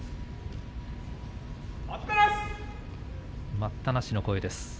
待ったなしの声です。